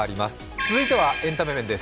続いてはエンタメ面です。